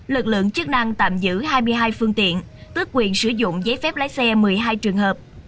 lực lượng chức năng tạm giữ hai mươi hai phương tiện tước quyền sử dụng giấy phép lái xe một mươi hai trường hợp